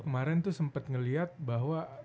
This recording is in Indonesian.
kemarin tuh sempat ngelihat bahwa